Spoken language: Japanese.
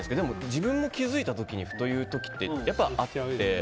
自分も気づいた時にふと言う時って、やっぱりあって。